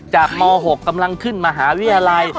ม๖กำลังขึ้นมหาวิทยาลัย